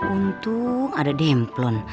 untung ada demplon